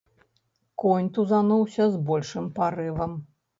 Конь тузануўся з большым парывам.